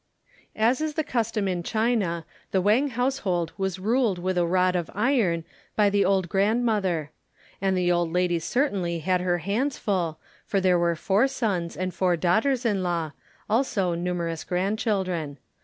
As is the custom in China the Wang household was ruled with a rod of iron by the old grandmother. And the old lady certainly had her hands full for there were four sons, and four daughters in law, also numerous grandchildren.